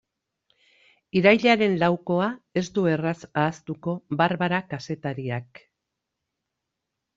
Irailaren laukoa ez du erraz ahaztuko Barbara kazetariak.